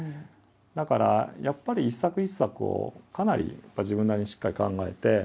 だからやっぱり一作一作をかなり自分なりにしっかり考えて。